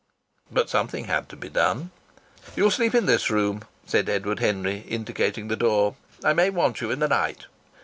But something had to be done. "You'll sleep in this room," said Edward Henry, indicating the door. "I may want you in the night."